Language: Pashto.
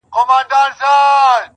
• شاهدان مي سره ګلاب او پسرلي دي,